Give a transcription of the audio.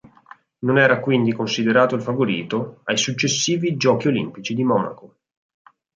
Non era quindi considerato il favorito ai successivi Giochi olimpici di Monaco.